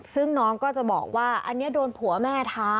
ซึ่งน้องก็จะบอกว่าอันนี้โดนผัวแม่ท้า